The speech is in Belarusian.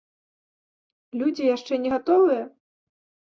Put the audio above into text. Людзі яшчэ не гатовыя?